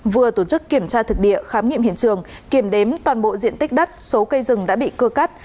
vừa tổ chức kiểm tra thực địa khám nghiệm hiện trường kiểm đếm toàn bộ diện tích đất số cây rừng đã bị cưa cắt